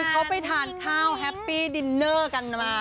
เขาไปทานข้าวแฮปปี้ดินเนอร์กันมา